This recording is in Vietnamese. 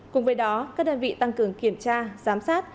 cùng với đó các đơn vị tăng cường kiểm tra giám sát